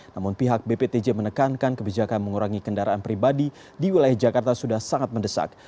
namun pihak bptj menekankan kebijakan mengurangi kendaraan pribadi di wilayah jakarta sudah sangat mendesak